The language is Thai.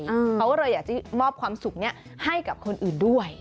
เขาก็เลยอยากจะมอบความสุขนี้ให้กับคนอื่นด้วย